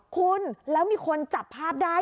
คุณแล้วมีคนจับภาพได้